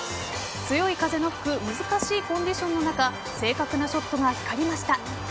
強い風の吹く難しいコンディションの中正確なショットが光りました。